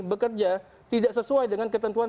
bekerja tidak sesuai dengan ketentuan